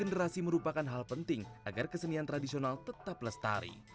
regenerasi merupakan hal penting agar kesenian tradisional tetap belastari